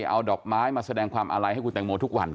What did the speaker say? เอาดอกไม้มาแสดงความอาลัยให้คุณแตงโมทุกวัน